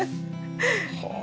はあ。